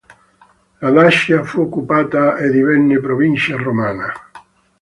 La Dacia fu occupata e divenne provincia romana.